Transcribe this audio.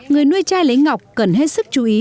người nuôi chai lấy ngọc cần hết sức chú ý